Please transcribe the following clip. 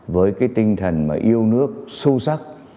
với cái tinh thần mà yêu nước sâu sắc